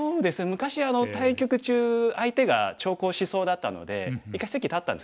昔対局中相手が長考しそうだったので一回席立ったんです